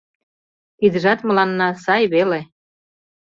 Тидыжат мыланна сай веле.